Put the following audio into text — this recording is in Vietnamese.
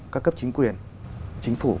các cấp chính quyền chính phủ